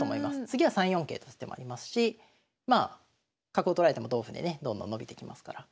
次は３四桂と打つ手もありますし角を取られても同歩でねどんどん伸びていきますから。